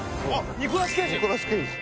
ニコラス・ケイジ